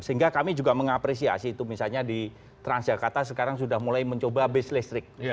sehingga kami juga mengapresiasi itu misalnya di transjakarta sekarang sudah mulai mencoba bis listrik